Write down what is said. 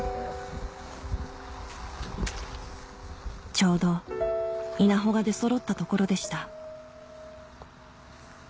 ちょうど稲穂が出そろったところでした